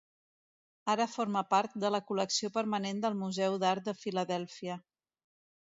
Ara forma part de la col·lecció permanent del Museu d'Art de Filadèlfia.